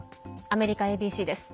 アメリカＡＢＣです。